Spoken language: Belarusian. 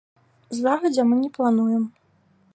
Загадзя мы не плануем.